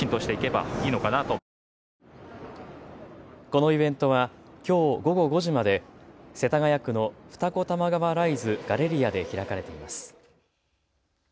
このイベントはきょう午後５時まで世田谷区の二子玉川ライズガレリアで開かれています。